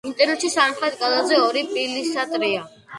ინტერიერში სამხრეთ კედელზე ორი პილასტრია.